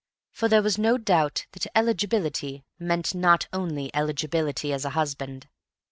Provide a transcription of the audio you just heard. For there was no doubt that eligibility meant not only eligibility as a husband.